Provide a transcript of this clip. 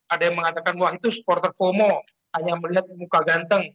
ada yang mengatakan wah itu supporter pomo hanya melihat muka ganteng